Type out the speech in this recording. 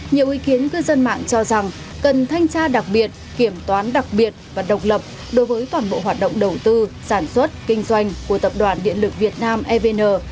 nhiều ý kiến cư dân mạng cho rằng cần thanh tra đặc biệt kiểm toán đặc biệt và độc lập đối với toàn bộ hoạt động đầu tư sản xuất kinh doanh của tập đoàn điện lực việt nam evn